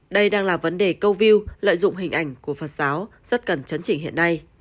đây đang là vấn đề câu view lợi dụng hình ảnh của phật giáo rất cần chấn chỉnh hiện nay